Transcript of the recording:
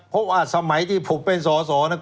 เพราะว่าสมัยที่ผมเป็นสอสอนะ